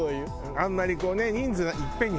あんまりこうね。